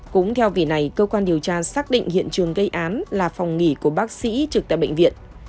cũng theo vì này cơ quan điều tra xác định hiện trường gây án là phòng nghỉ của bác sĩ trực tại bệnh viện